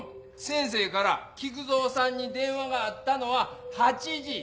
先生から菊蔵さんに電話があったのは８時！